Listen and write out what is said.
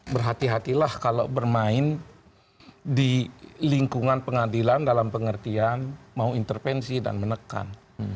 berhati hatilah kalau bermain di lingkungan pengadilan dalam pengertian mau intervensi dan menekan